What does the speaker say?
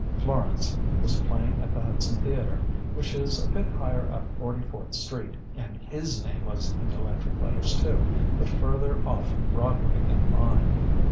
Florance was playing at the Hudson Theatre, which is a bit higher up Forty fourth Street, and his name was in electric letters too, but further off Broadway than mine.